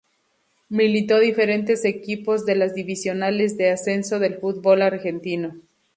Militó diferentes equipos de las divisionales de ascenso del fútbol argentino.